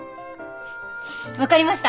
わかりました。